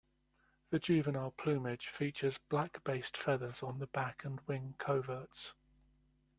The juvenile plumage features black-based feathers on the back and wing coverts.